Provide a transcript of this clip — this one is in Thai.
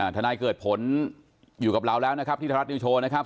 ทนายเกิดผลอยู่กับเราแล้วนะครับที่ไทยรัฐนิวโชว์นะครับ